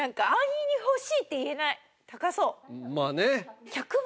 まあね。